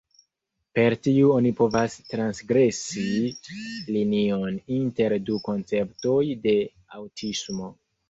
Per tiu oni povas transgresi linion inter du konceptoj de aŭtismo.